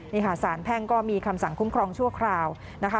นี่ค่ะสารแพ่งก็มีคำสั่งคุ้มครองชั่วคราวนะคะ